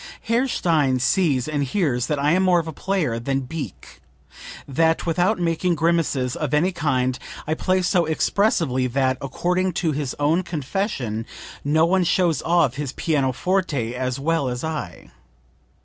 "Herr Stein sees and hears that I am more of a player than Beecke, that without making grimaces of any kind I play so expressively that, according to his own confession, no one shows off his pianoforte as well as I.